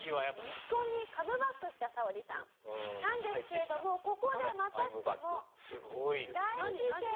ミスコンにカムバックしたサオリさんなんですけれどもここでまたしても大事件が起きてしまいます。